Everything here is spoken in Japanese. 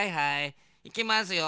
いきますよ。